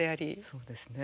そうですね。